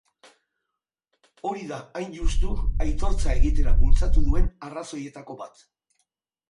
Hori da, hain justu, aitortza egitera bultzatu duen arrazoietako bat.